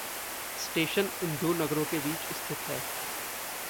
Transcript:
Station इन दो नगरों के बीच स्थित है।